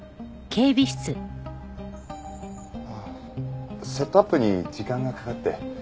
ああセットアップに時間がかかって。